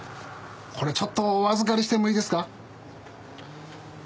これちょっとお預かりしてもいいですか？